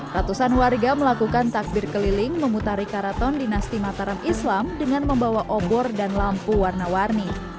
ratusan warga melakukan takbir keliling memutari karaton dinasti mataram islam dengan membawa obor dan lampu warna warni